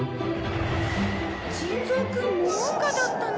珍蔵くんモモンガだったの。